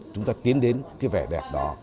chúng ta tiến đến cái vẻ đẹp đó